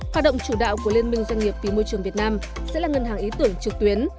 hoạt động chủ đạo của liên minh doanh nghiệp vì môi trường việt nam sẽ là ngân hàng ý tưởng trực tuyến